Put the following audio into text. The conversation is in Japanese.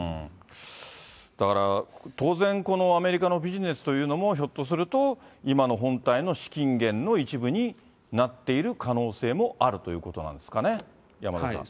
だから、当然、このアメリカのビジネスというのも、ひょっとすると今の本体の資金源の一部になっている可能性もあるということなんですかね、山田さん。